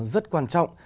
rất quan trọng